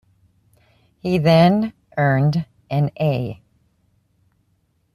He then earned an A.